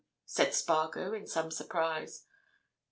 said Spargo, in some surprise.